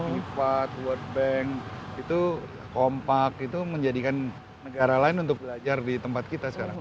lipat world bank itu kompak itu menjadikan negara lain untuk belajar di tempat kita sekarang